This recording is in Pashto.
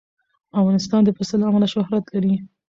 افغانستان د پسه له امله شهرت لري.